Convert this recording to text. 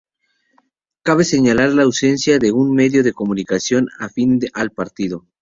Cabe señalar la ausencia de un medio de comunicación afín al partido.